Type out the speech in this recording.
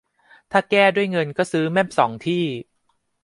ถ้าแก้ด้วยเงินก็ซื้อแม่มสองที่